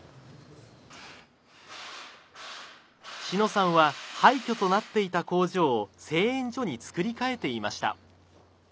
志野さんは廃虚となっていた工場を製塩所に造り替えていました。